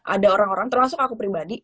ada orang orang termasuk aku pribadi